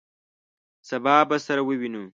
سبا به سره ووینو!